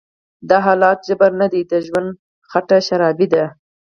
دحالاتو_جبر_نه_دی_د_ژوند_خټه_شرابي_ده